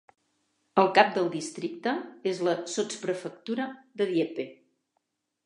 El cap del districte és la sotsprefectura de Dieppe.